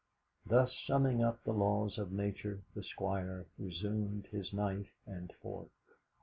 Thus summing up the laws of Nature, the Squire resumed his knife and fork.